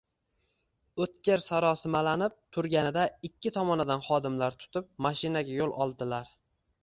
O`tkir sarosimalanib turganida ikki tomonidan xodimlar tutib, mashinaga yo`l oldilar